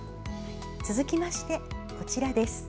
続きまして、こちらです。